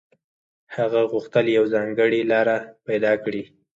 هغه غوښتل يوه ځانګړې لاره پيدا کړي.